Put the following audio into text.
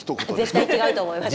絶対違うと思います。